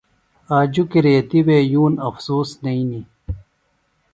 آ جُکیۡ ریتیۡ وے یُون افسوس نئینیۡ۔